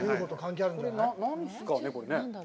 これ、何ですかね？